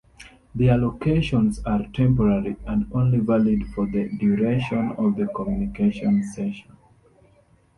The allocations are temporary and only valid for the duration of the communication session.